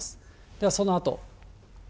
ではそのあと。